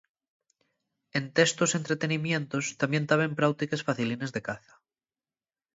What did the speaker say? Ente estos entretenimientos tamién taben práutiques facilines de caza.